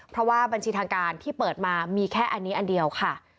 เพราะว่าบัญชีทางการที่เปิดมามีแค่อันนี้อันเดียวค่ะ